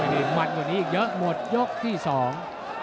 แทงพูดในแลงกันก็มีมันตรงนี้อีกเยอะหมดยกที่สอง